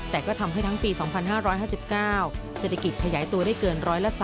แต่ก็ทำให้ทั้งปี๒๕๕๙เศรษฐกิจขยายตัวได้เกิน๑๓